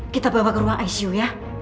kita bawa ke ruang icu ya